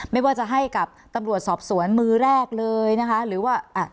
ไม่ว่าจะให้กับตำรวจสอบสวนมือแรกเลยนะคะหรือว่าอ่ะ